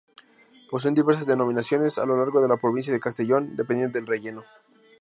Poseen diversas denominaciones a lo largo de la provincia de Castellón, dependiendo del relleno.